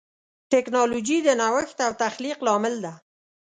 ټکنالوجي د نوښت او تخلیق لامل ده.